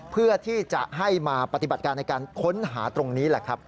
เพื่อที่จะให้มาปฏิบัติการในการค้นหาตรงนี้แหละครับ